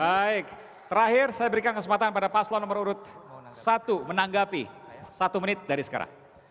baik terakhir saya berikan kesempatan pada paslon nomor urut satu menanggapi satu menit dari sekarang